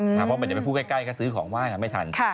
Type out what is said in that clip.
เพราะว่าเมื่อเราไปพูดใกล้ก็ซื้อของว่ายกันไม่ทัน